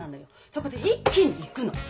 そこで一気に行くの！